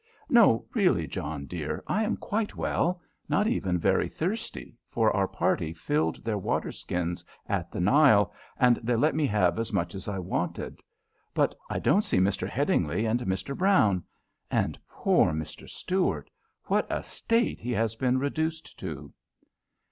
No, really, John, dear, I am quite well, not even very thirsty, for our party filled their waterskins at the Nile, and they let me have as much as I wanted. But I don't see Mr. Headingly and Mr. Brown. And poor Mr. Stuart, what a state he has been reduced to!"